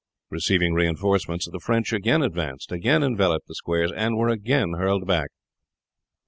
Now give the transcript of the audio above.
Receiving reinforcements the French again advanced, again enveloped the squares, and were again hurled back.